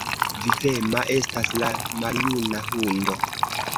Vivema estas la maljuna hundo!